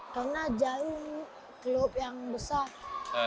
karena jarum klub yang besar